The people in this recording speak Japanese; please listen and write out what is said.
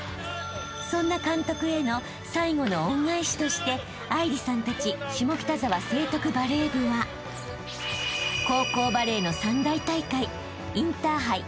［そんな監督への最後の恩返しとして愛梨さんたち下北沢成徳バレー部は高校バレーの三大大会インターハイ